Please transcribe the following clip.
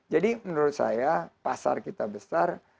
jadi menurut saya pasar kita besar